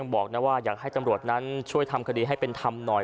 บอกนะว่าอยากให้ตำรวจนั้นช่วยทำคดีให้เป็นธรรมหน่อย